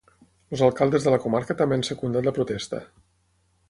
Els alcaldes de la comarca també han secundat la protesta.